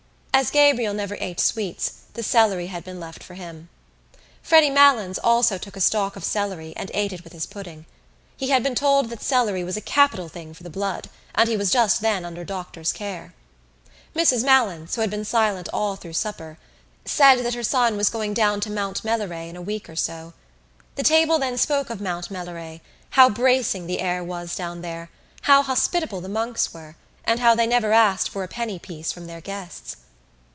As Gabriel never ate sweets the celery had been left for him. Freddy Malins also took a stalk of celery and ate it with his pudding. He had been told that celery was a capital thing for the blood and he was just then under doctor's care. Mrs Malins, who had been silent all through the supper, said that her son was going down to Mount Melleray in a week or so. The table then spoke of Mount Melleray, how bracing the air was down there, how hospitable the monks were and how they never asked for a penny piece from their guests.